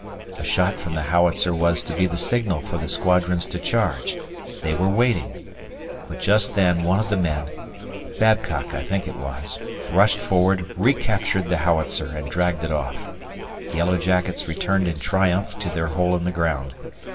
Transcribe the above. A shot from the howitzer was to be the signal for the squadrons to charge. They were waiting. But just then one of the men Babcock I think it was rushed forward, recaptured the howitzer, and dragged it off. The yellow jackets returned in triumph to their hole in the ground.